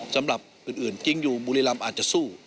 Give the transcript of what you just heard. สำหรับอื่นจริงอยู่บุรีรำอาจจะสู้